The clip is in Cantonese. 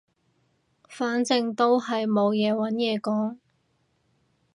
反正都係冇嘢揾嘢講